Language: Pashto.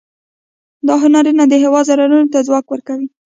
دا هنرونه د هېواد ضرورتونو ته ځواب ورکاوه.